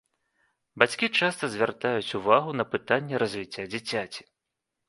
Бацькі часта звяртаюць увагу на пытанні развіцця дзіцяці.